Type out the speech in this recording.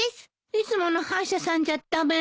いつもの歯医者さんじゃ駄目？